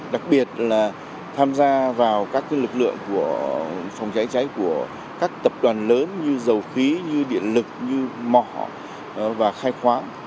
đặc biệt là tham gia vào các lực lượng của phòng cháy cháy của các tập đoàn lớn như dầu khí như điện lực như mỏ và khai khoáng